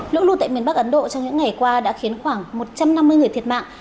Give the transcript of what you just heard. lũ lụt tại miền bắc ấn độ trong những ngày qua đã khiến khoảng một trăm năm mươi người thiệt mạng